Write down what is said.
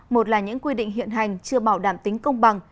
một là những quy định hiện hành chưa bảo đảm tính công bằng